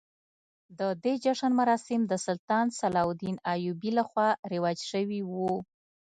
د دې جشن مراسم د سلطان صلاح الدین ایوبي لخوا رواج شوي وو.